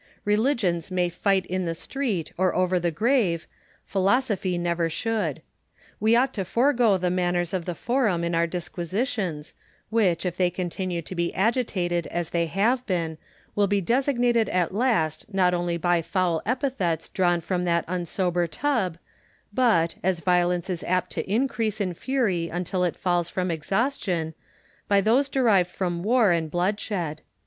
Religions may fight in the street, or over the grave : Philosophy never should. We ought to forego the manners of the Forum in our disquisitions, which, if they continue to be agitated as they have been, will be designated at last not only by foul epithets drawn from that unsober tub, but, as violence is apt to increase in fury until it falls from exhaustion, by those derived from war and bloodshed.